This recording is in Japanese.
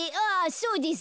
そうです。